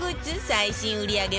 最新売り上げ